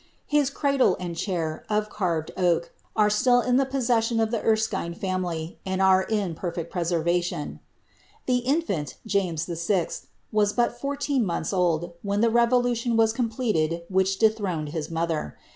His cradle and chair, of carved oak, are still in the possession of the Erskine ftunily, and are ia perfect preservation. The infimt, James VI., was but fourteen months old, when the revolu tion was completed which dethroned his mother.